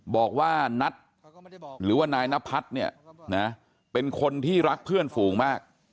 บอกว่านัทหรือว่านายนพัฒน์เนี่ยนะเป็นคนที่รักเพื่อนฝูงมาก